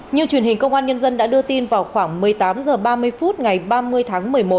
như truyền hình công an nhân dân đã đưa tin vào khoảng một mươi tám h ba mươi phút ngày ba mươi tháng một mươi một